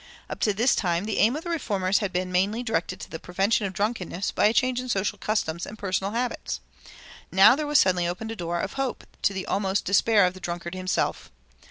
Up to this time the aim of the reformers had been mainly directed to the prevention of drunkenness by a change in social customs and personal habits. Now there was suddenly opened a door of hope to the almost despair of the drunkard himself.